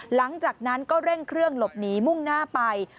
หลังจากนั้นก็เร่งเครื่องหลบหนีมุ่งหน้าไป